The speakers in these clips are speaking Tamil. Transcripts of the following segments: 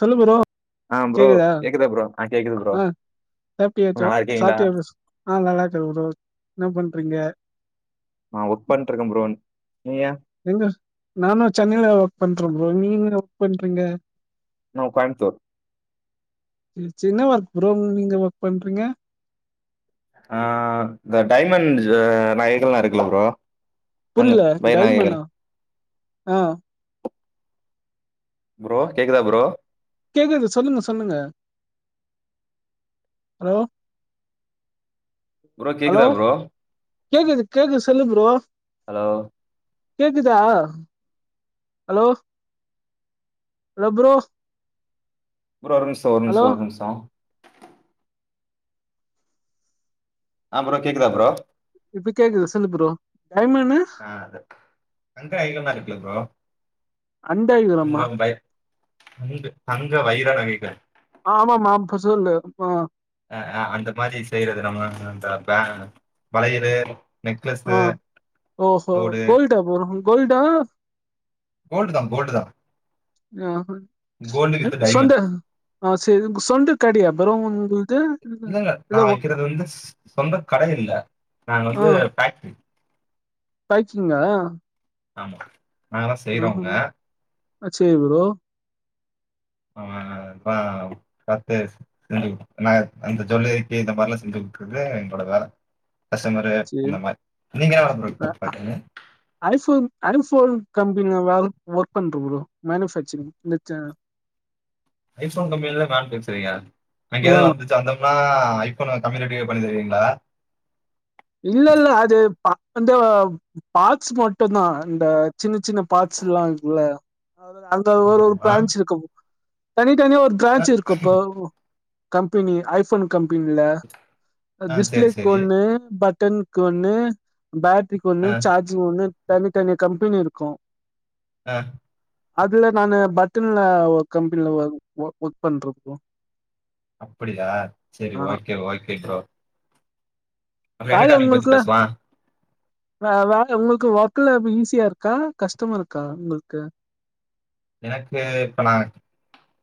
தொல்லு புரோ ஆ ப்ரோ கேக்குதா ப்ரோ ஆ கேக்குது ப்ரோ ஆ சாப்ட்டியா சோ நல்லா இருக்கீங்களா சாப்ட்டியாபேஸு ஆ நல்லாருகோதோத் என்ன பண்றீங்க நா ஒர்க் பண்ட்ருக்கே ப்ரோ நீங்க எங்கஸ் நானு சென்னையில ஒர்க் பண்றே ப்ரோ நீங்க எங் ஒர்க் பண்றீங்க நா கோய்ம்த்தூர் சின்ன வர்க் ப்ரோ நீங்க ஒர்க் பண்றீங்க ஆ இந்த டைமண்ட்ஜ் நகைகள்லா இருக்குல்ல ப்ரோ அங்க புர்ல பயிர் நகைகள் டய்மண்ணா ஆ புரோ கேக்குதா ப்ரோ கேக்குது சொல்லுங்க சொல்லுங்க ஹலோ [inaudible] அலோ கேக்குதா ப்ரோ கேக்குது கேக்குது சொல்லு ப்ரோ ஹலோ கேக்குத்ஆ அலோ அலோப்ரோ ப்ரோ ஒரு நிமிஷ ஒரு நிமிஷ ஒரு நிமிஷோ ஆப்ரோ கேக்குதா ப்ரோ இப்ப கேக்குது சொல்லு ப்ரோ டைம்மெனு ஆ அது ரெண்டு ஐ ல தா இருக்கு ப்ரோ அண்டாயிரமா அங்க பை தங்க வய்ர நகைகள் ஆமாமா பசல்டு இப்போ அ அந்த மாரி செய்யறது நம்ம தளப்பே வயிறு ஆ ஓஹோ கோல்டா போறோ கோல்டா கோல்டு தா கோல்டு தா ஆ வித் டைமண்ட் சொல்லு ஆ சொண்ட கடி அப்புறோ உந்து இல்ல இல்ல நா வெக்கிறது வந்து சொந்த கட இல்ல நாங்க வந்து பேக் பைக்சிங்கா ஆமா நாங்க தான் செய்றோங்க. ஆஹா அச்சேரி ப்ரோ ஆ பத்தேஸ் அன் அன்ன அந்த ஜொல்லறிக்கே இந்த மாரிலா செஞ்சு கொடுக்குறது எங்களோட வேல ரசோ மோரு சேரி இந்த மாரி நீங்கதா அ கூப்டங்க ஐஃபோன் ஐஃபோன் கம்பெனில வேல ஒர்க் பண்றோ ப்ரோ மேனுஃபேக்சரிங் இந்த ச ஐஃபோன் கம்பெனில மேனுஃபேக்சரிங்கா ஆ அங்கெதா வந் தம்னா ஐஃபோன் கம்மி ரேட்டுக்கே பண்ணி தருவிங்ளா இல்லல்ல அது ப வந்து பாட்ஸ் மட்டுந்தா இந்த சின்ன சின்ன பாட்ஸ் எல்லா இருக்குல்ல அவ்ளதா அந்த ஒரு ஆமாமா. பேன்ச் இருக்கு தனித்தனியா ஒரு அ பிரான்ச் இருக்கு இப்போ கம்பெனி ஐஃபோன் கம்பெனில ஆ சரி, டிஸ்பிளேக்கு சரி. ஒண்ணு பட்டன்க்கு ஒண்ணு பேட்ரிக்கு அ ஒன்னு சார்ஜிங் ஒண்ணு தனி தனி கம்பெனி இருக்கு அ அதுல நானு பட்டன்ல கம்பெனில ஒர்க் ஒ ஒர்க் பண்ற ப்ரோ அப்படியா செரி ஆ ஓகே ஓகே ப்ரோ நம்ம என்ன பய டாபிக் பத்தி உங்கள்க்ல பேசலாம்? ஆ உங்களுக்கு வொர்க்கல்லா எப்ப ஈஸியா இருக்கா கஷ்டமா இருக்கா உங்கள்க்கு எனக்கு இப்ப நா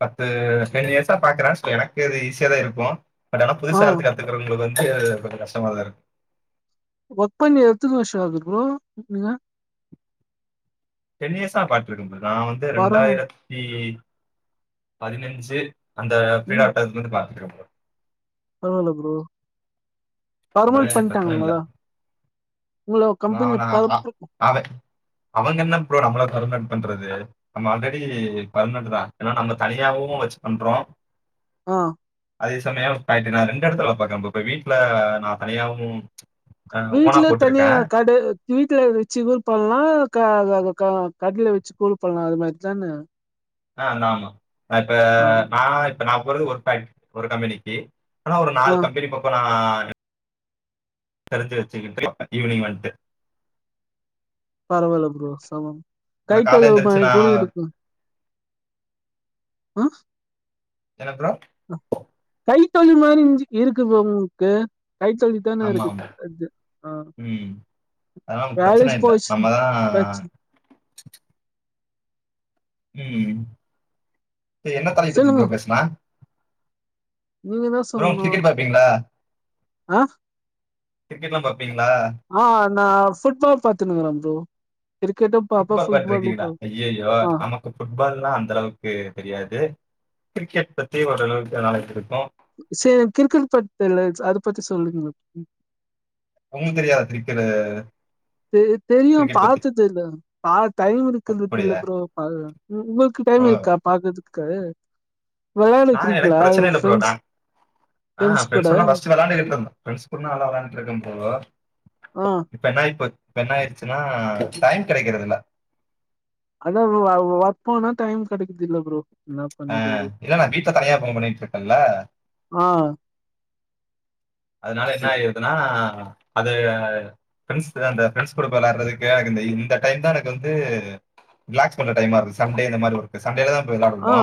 பத்து டென் இயர்ஸா பாக்குற சோ எனக்கு அது ஈஸியாதா இருக்கு பட் ஆனா ஆ புதுசா இருந்து கத்துக்கறவங்களுக்கு வந்து கொஞ்ச கஷ்டமாதா இருக்கு ஒர்க் பண்ணி எத்தன வருஷ ஆகுது ப்ரோ நீங்க டென் இயர்ஸா பாட்ருக்கே ப்ரத நா வந்து பரவா ரெண்டாயிரத்தி பதினஞ்சு அந்த ம் [unintelligible] இந்து பாத்துக்கற ப்ரோ பரவால்ல ப்ரோ அதனால பர்மனெட் எனக்கு பண்ட்டாங்க பிரச்சனை இல்லை உங்கள உங்கள கம்பெனில பர்மனன்ட் அட அவங்க என்ன ப்ரோ நம்மள பர்மனன்ட் பண்றது நம்ம ஆல்ரெடி பர்மனன்ட்தா ஏன்னா நம்ம தனியாவு வெச்சு பண்றோ ஆ அதே சமய ரைட்டு நா ரெண்டு எடத்துல பாக்க ப்ரோ இப்ப வீட்ல நா தனியாவு வீட்ல தனியா கட வீட்டுல வெச்சு கூட பண்லா க க கடில வெச்சு கூட பண்லா அது மாரித்தான ஆ நாமா இப்ப ஆ நா இப்ப நா போறது ஒரு பே ஒரு கம்பெனிக்கு ஆனா ஒரு ஆ நாலு கம்பெனி பக்க நா தெரிஞ்சு வச்சுகிட்டு ஈவினிங் வன்ட்டு பரவால்ல ப்ரோ செம இப்ப நான் காலையில கைத்தொழு மா எந்திரிச்சு கூட நான் இருக்கு ஆ என்ன ப்ரோ கைத்தொழில் மாரி இஞ் இருக்கு ப்ரோ உங்கக்கு கைத்தொழில் மாதான ஆமா, ஆமா. இருக்குது ஆ ம். அதெல்லாம் பிரச்சனை வேலயாச்சு இல்ல. போய்ச்சுனா நம்ம தான் ப்ரச் ம் என்ன தலப்ப பத்தி சொல்லுங்க ப்ரோ பேசலா நீங்கதா ப்ரோ சொல்னு கிரிக்கெட் பார்ப்பீங்களா? ஆ கிரிக்கெட்லா பாப்பிங்ளா ஆ நா ஃபுட்பால் பாத்துனுருக்க ப்ரோ கிரிக்கெட்டு பாப்ப ஃபுட்பாலு பாப் ஆ ஃபுட்பால்னா அந்த அளவுக்கு தெரியாது கிரிக்கெட் பத்தி ஓரளவுக்கு நாலேஜ் இருக்கு சேரி கிரிக்கெட் பத் தெல அத பத்தி சொல்லுங்க ப்ரோ ஒன்னுந் தெரியாது க்ரிக்கரு தெ தெரியு பாத்ததில்ல பா டைம் இருக்ய்குது இல்ல அப்படியா? ஃப்ரோ அப்றோ உங்களுக்கு டைம் ஓ! இருக்கா பாக்கத்துக்க நா எனக்கு பிரச்சன இல்லே ஃப்ரோ ஃப்ரெண்ட்ஸ் நா ஆ ஃப்ரெண்ட்ஸ் ஃபிரண்ட்ஸ் கூட கூடெல்லா ஃபஸ்ட் விளாண்டுகிட்டு இருந்த ஃபிரண்ட்ஸ் கூடலா நல்லா விளான்டான்டு இருக்கே ஃப்ரோ ஆ இப்ப என்னாயி போச் இப்ந என்னாயிருச்சுன்னா டைம் கெடைக்கறது இல்ல அதா ஏ வொர்க்ப்போனா டைம் கெடைக்குது இல்ல ப்ரோ என்னா ஆ பண்ணது ப்ரோ இல்ல நா வீட்ல தனியா ஒபன் பண்ணிட்டு இருக்கேல்ல ஆ அதனால என்ன ஆயிருதுன்னா அது பிண்ஸ் அந்த ஃபிரெண்ட்ஸ் கூட விளாடுறதுக்கு எனக்கு இந்த டைம்தா எனக்கு வந்து ரிலாக்ஸ் பண்ற டைம்மா இருக் சண்டே இந்த மாறி இருக்கு சண்டேல தா போய் ஆ வெளாடுவோ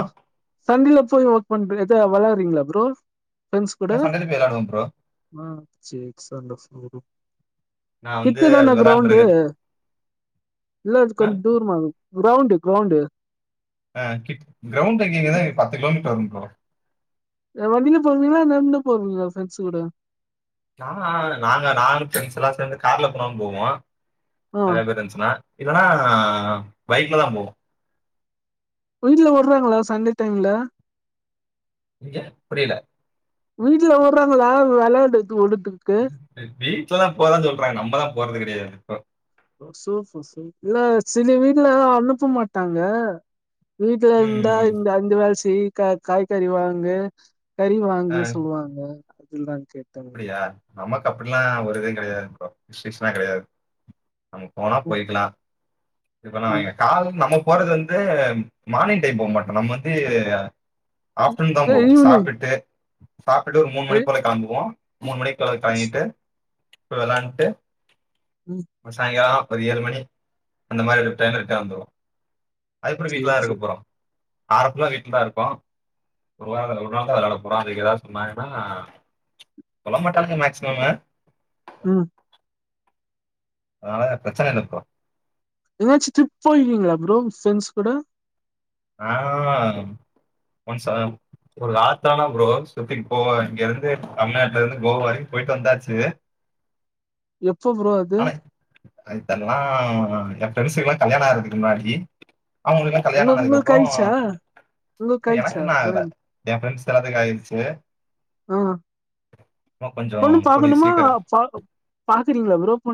சண்டேல போய் ஒர்க் பண்ண எத விளாறீங்களா ஃப்ரோ நா சண்டேல போய் விளாடுவோ ஃப்ரோ ஆ சேக் சந்த ஸ்கோறு நான் வந்து கிட்டதான கிரௌண்டு விளையாண்டுருக்க இல்ல அது ஆ கொஞ்சோ தூரமா கிரௌண்டு கிரௌண்டு் ஆ கிட் கிரௌண்ட் அங்கங்கதா பத்து கிலோமீட்டர் வரு ஃப்ரோ இல்ல வண்டியில போவீங்ளா நந்து போவீங்கள ஃப்ரெண்ட்ஸ் கூட ஆ நா நாங்க நானு ஃபிரெண்ட்ஸ் எல்லா சேந்து கார்ல போனாலு போவோ ஆ நெறைய பேரு இருந்துசுனா இல்லனா பைக்ல தா போவோ வீட்ல வுறாங்களா சண்டே டைம்ல இங்க புரியில வீட்ல வுடுறாங்களா வெளாயாண்டது ஓடுட்டுக்கு வீட்ல தா போறனு தா சொல்றாங்க நம்மதா போறது கெடையாது இப்போ சூப்ப சூப்பரு இல்ல சில வீட்ல அனுப்ப மாட்டாங்க வீட்ல ம், இருந்தா ம். இந்த அஞ்ச வேல செய் கா காய்கறி வாங்கு கறி வாங்கு சொல்லுவாங்க அதா கேட்டே அப்டியா நமக்கு அப்டிலா ஒரு இதுவு கெடையாதுப்பா ரெஸ்ட்ரிக்ஷன் கெடையாதுப்பா நம்ம போனா ம் போய்க்கலா இப்பனா ம் கால நம்ம போறது வந்து மானிங் டைம் போமாட்டோ நம்ம வந்து ஆஃப்டர்நூன் தா போவோ ஈவ்னிங் சாப்ட்டுட்டு சாப்ட்டுட்டு ஒரு மூணு மணி போல கெளம்புவோ மூணு மணிக்கு மேல கெளம்பிட்டு இப்ப விளாண்ட்டு ம் சாயங்காலோ ஒரு ஏழு மணி அந்த மாதிரி ஒரு டைம்ல இருக்க வந்துருவோ அதுக்ப்றோ சேரி வீட்லாதா இருக்க சேரி போறோ ஆரத்துல வீட்ல தா இருக்கோ ஒரு ஒரு நாள் தா விளாட போறோ அதுக்கு எதாவுதுசொன்னாகென்னா சொல்ல மாட்டாங்க மேக்சிமம்மு ம் அதனால பிரச்சன இல்ல ப்ரோ எங்காச்சு ட்ரிப் போய் இருக்கீங்லா ப்ரோ ஃப்ரெண்ட்ஸ் கூட ஆ ஒன்ஸ்சா ஒரு ஆத்தானா ப்ரோ சுத்தி கோவ இங்க இருந்து தமிழ்நாட்ல இருந்து கோவா வர போயிட்டு வந்தாச்சு [inaudible] எப்போ ப்ரோ அது இதெல்லா எ ஃபிரெண்ஸ்க்கு எல்லா கல்யாணோ ஆறதுக்கு முன்னாடி அவுங்களுக்கு எல்லா உங்க கல்யாணோ ஆனதுக்கப்றோ உங்களுக்கு ஆ ஆயிச்சா உங்களுக்கு இல்ல எனக் ஆயிச்சா இன்னு ஆகல கல்யாணம் என் ஃப்ரெண்ட்ஸ் எல்லாத்துக்கும் ஆயிட்ச்சு அ பொண்ணு பாக்கணுமா பாக்க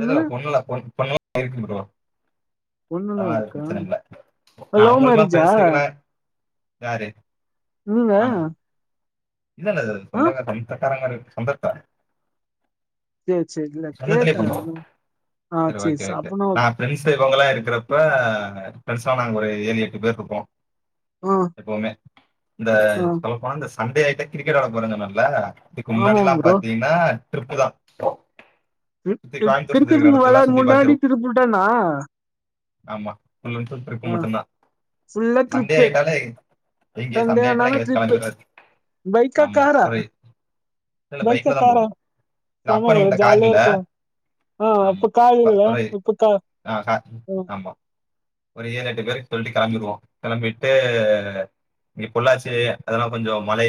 இல்லல்ல பொண்ணுலா பொ பைய ஐ டி ப்ரோ பொண்ணுலா அதனால அது இருக்கா பிரச்சன இல்ல ஆ லவ் உங்களுக்கு மேரேஜா பெருசுகல யாரு நீங்க இல்லல்ல அது ஆ சொந்தகார் தா இப்ப தர்றா மாரி இருக்கு சொந்தத்த சேரி சேரி இல்ல சொந்தத்திலே கேட்டே பண்ணுவோ அதா ஆ செரி சேரி ஓகே ச ஓகே அப்பனா அ ஃப்ரெண்ட்ஸ்ஸு இவங்களா இருக்கறப்ப ஃரெண்ட்ஸ்லா நாங்க ஒரு ஏழு எட்டு பேர்ருப்போ ஆ எப்பவுமே இந்த ஆ சொல்ல போனா இந்த சண்டே ஆயிட்ட கிரிக்கெட் வெள்யாட போறன் சொன்னல்ல இதுக்கு ஆமா முன்னாடில்லா ப்ரோ பாத்தீங்ன்னா ட்ரிப்பு தா கி கி கிரிக்கெட் வெளாட் முன்னாடி டிரிப்பு தானா ஆமா ஃபுல் அண்ட் ஃபுல் ட்ரிப்பு ஆ மட்டும்தா ஃபுல்லா சண்டே ட்ரிப்பு ஆயிட்டாலே இங்கே சண்டே ஆயிட்டாலே ஆனாலே எங்கயாவ்து ட்ரிப்பு கெளம்பிறது பைக்கா காரா இல்லை பைக்கா பைக்கில் தான் காரா போவோம் இது ஆமா அப்போ ப்ரோ நம்மகிட்ட கார் ஜாலியா இல்லை இருக்கும் ஆ அப்ப ஆமாம் கார் இல்லல ஒரு இப்ப தா ஆ, ஆமா ஒரு ஏழு எட்டு பேருக் சொல்ட்டு கெளம்பிடுவோ கெளம்பிட்டு இங்க பொள்ளாச்சி அதெல்லா கொஞ்சோ மலை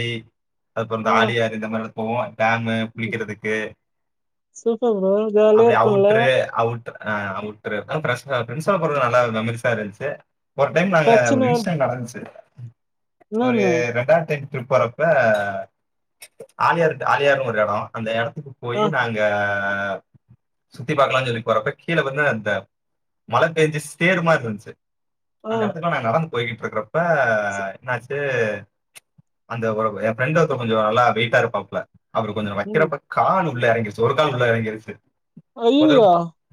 அதுப்புறம் இந்த ஆ ஆலியார் இந்த மாரி எல்லா போவோம் டேம்மு குளிக்கிறதுக்கு சூப்பர் ப்ரோ ஜாலியா அப்டி இருக்குல்ல அவுட்ரு அவுட்ர் அ அவுட்ரு அ ஃப்ரெஷ்ஷா ஃப்ரெண்ட்ஸ்ஸா போறது நல்லா இருந்த மிக்ஸா இருந்துச்சு ஒரு டைம் நாங்க ஒரு பிரச்சன இன்ஸ்டன்ட் நடந்துச்சு ஒரு என்னன்னு ரெண்டாயிரத்தி ட்ரிப் போறப்ப ஆலியார் ஆலியாருனு ஒரு எடம் அந்த எடத்துக்கு போயி ஆ நாங்க க சுத்தி பாக்கலான் சொல்லி போரப்ப கீழ வந்து அந்த மழ பேஞ்சு சேறு மார் இருந்ச்சு ஆ அந்த எடத்துல நா நடந்து போய்க்கிட்ருக்கறப் ப்ப என்னாச்சு அந்த ஒரு என் ஃப்ரெண்ட்டு ஒருத்தர் கொஞ்சோ நல்லா வெயிட்டா இருப்பாப்ல அவரு கொஞ்சோ ம் வைக்கிறப்ப கால் உள்ள எறங்கிருச்சு ஒரு கால் உள்ள எறங்கியிருச்சு அய்யிய்யோ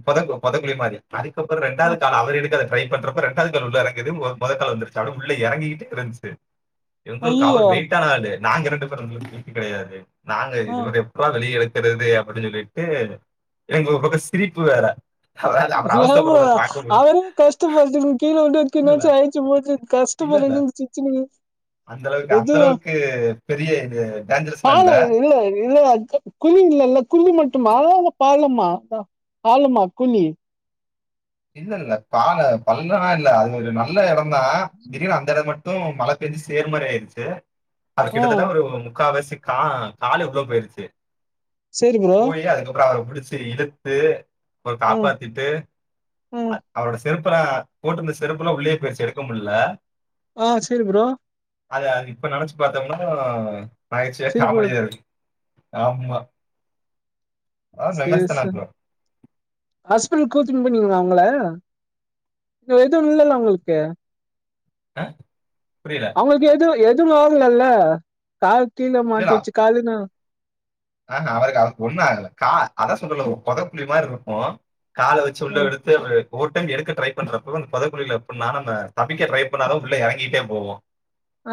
பொதக் பொதக்குழி மாரி அதுக்கப்புறம் ஆ ரெண்டாவ்து கால அவர் எடுக் ட்ரை பண்றப்ப ரெண்டாவ்து கால் உள்ள எறங்குது மொத கால் வந்துருச் அதுவும் உள்ள எறங்கிகிட்டே இருந்ச்சு எங்களுக்கு அவர் ஐயையோ வெயிட்டான ஆளு நாங்க ரெண்டு பேரும் உங்களுக்கு வெயிட்டு கெடயாது நாங்க ஆ இதுவ எப்புறா வெளிய எடுக்கறது அப்டின் சொல்லிட்டு எனக்கு ஒரு பக்கம் சிரிப்பு வேற அதாவ்து அவர் அவஸ்த பட்றத பாக்கமுல் கஷ்டமா இருந்ச்சினு கீழ ஓடியான்ட் கீழாச்சி அய்ச்சி மோச்சின் கஷ்டமா இல்ல இல்ல இருந்தது இது சிர்ச்சின்னுக்குது ஏ பெரிய இது டேஞ்சரஸ்லாம் இல்ல காணோ இவ்ளோ இவ்ளோ அல்ஜ குழி இல்லல்ல குழி மட்டுமா இல்ல பாலமா பாலமா குழி இல்ல இல்ல பால பள்ளல்லா இல்ல அது ஒரு நல்ல எடந்தா திடீர்னு அந்த எடோ மட் டும் மழ பெஞ்சு சேறு மாரி ஆயிருச்சு அது ஆ கிட்டத்தட்ட ஒரு முக்காவாசி கா காலு இதுவா போயிருச்சு சரி ப்ரோ போயி அதுக்கப்பறோ அவர புடிச்சு இழுத் த்து அவர ம் காப்பாத்திட்டு ம் அவரோட செருப்பல்லா போட்டிருந்த செருப்பெல்லா உள்ளே போயிருச்சு எடுக்க முல்ல ஆ சேரி ப்ரோ அத அது இப்ப நெனைச்சு பார்த்தோனா நகைச்சுவையா சரி ப்ரோ காமெடியா இருக்கு ஆமா அதாவது சேர் மெமரிஸ் தானே செ ப்ரோ ஹாஸ்பிட்டல் கூத்தின்னு போனீங்களா அவுங்கள எதுவு இல்லல்ல அவுங்களுக்கு அ புரில அவுங்களுக்கு எதுவு எதுவு ஆகலல்ல கால் கீழே மாட்டிச்சு காலனு ஆக அவருக்கு அவருக்கு ஒண்ணு ஆகல கா அதா சொலறல்ல பொத குழி மாதிரிருக்கு இருக்கவு கால வச்சு ஆ உள்ள எடுத் ஒரு டைம் எடுக்க ட்ரை பண்றப்ப அந்த பொதகுழில எப்டினா நம்ம தப்பிக்க ட்ரை பண்ணாலூ உள்ள எறங்கிட்டே போவோ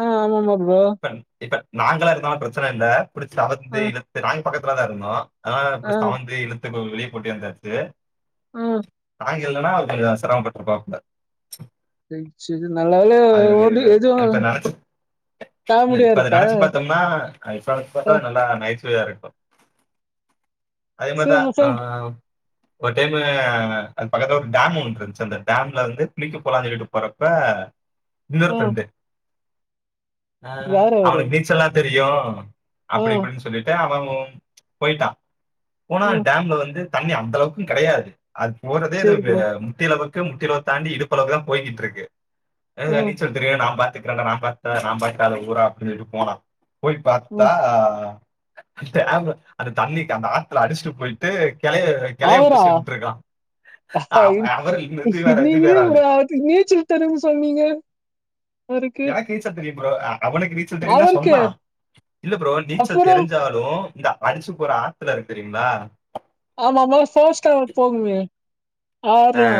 ஆ ஆமாமா ப்ரோ இப்ப இப்ப நாங்களா இருந்தோ பிரச்சன இல்ல புடிச்சு அவந்து ஆ இழுத்து நாங்க பக்கத்துல தா இருந்தோ ஆ புடிச்சு தவந்து இழுத்து கோ வெளிய கூட்டியாந்தாச்சு ம் நாங்க இல்லன்னா கொஞ்ச சிரமப்பட்டு இருப்பாபுள்ள சேரி சேரி நல்லவேல அது ஒரு ஓடி எது இப்ப நினைச்சு காமடியா இருக்கா மா [unintelligible] ஆ, பாத்தா நல்லா நகைச்சுவையா இருக்கு அதே மார்தா சரி ஆ சொல் ஒரு டைமு அது பக்கத்துல ஒரு டேமு ஒன்னு இருந்துச்சு அந்த டேம்ல வந்து குளிக்க போலான்னு சொல்ட்டு போறப்ப இன்னொரு ஆ ஃபிரெண்டு ஆ யாரு அவரு அவனுக்கு நீச்சல்லா தெரியு ஆ அப்டி இப்டின்னு சொல்லிட்டு அவ்வ போயிட்டா போனா ம் டேம்ல வந்து தண்ணி அந்த அளவுக்கு கெடையாது அது போறதே இது சரி ப்ரோ முட்டியளவுக்கு முட்டிலவு தாண்டி இடுப்பளவு தா போய்கிட்டு இருக்கு ஆ அ நீச்சல் தெரியு நா பாத்துக்கறண்டா நா பாக்காத நா பாக்காத ஊரா அப்டின்னு சொல்லிட்டு போனா போய் பாத்தா ம் ஆ டமு அந்த தண்ணி அந்த ஆத்தூல அடிச்சுட்டு போயிட்டு கெளைய கெளய அவரா புடிச்சுட்டு நின்றுக்கா அவருல்ல இது வேற இது நீங்களே வேற ஆளூ ஒரு அவருக்கு நீச்சல் தெரியுனு சொன்னீங்க அவருக்கு எனக்கு நீச்சல் தெரியு ப்ரோ அவனுக்கு நீச்சல் தெரியுந்தா அவருக்கு சொன்னா இல்ல ப்ரோ நீச்சல் அப்புறோ தெரிஞ்சாலூ இந்த அடிச்சு போற ஆத்துல இருக்கு தெரியுங்களா ஆமா ஆமா ஃபாஸ்ட்டா போகுமே ஆ. ஆர்ல்லா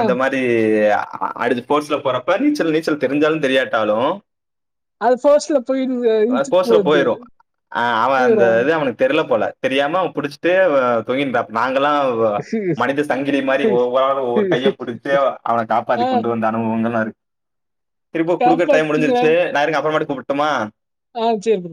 அந்த மாரி அடித்து ஃபோர்ஸ்ல போறப்ப நீச்சல் நீச்சல் தெரிஞ்சாலு தெரியாட்டாலு அது ஃபர்ஸ்ட்ல போய் இழுத்து ஃபோர்ஸ்ல்ல போகுது போயிரு ஆ அவ அந்த போயிரு இது அவனுக்கு தெரில போல தெரியாம புடிச்சிட்டு தொங்கிந்தா நாங்கள்லா மனித சங்கிலி மாரி ஒவ்வரு ஆளு ஒருத்தே கைய புடிச்சி அவன காப்பாத்தி ஆ கொண்டு வந்த அனுபவங்கள்ளு இருக்கு திருப்ப குடுக்ற டைம் காப்பாத்திட்டீங்களா முடிஞ்சிச்சு நா இருங்க அப்றமட்டு கூப்பட்டுமா ஆ சேரி ப்ரோ